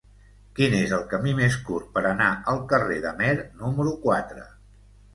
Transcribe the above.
Quin és el camí més curt per anar al carrer d'Amer número quatre?